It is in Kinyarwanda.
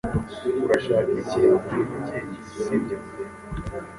Urashaka ikintu kuri njye, sibyo?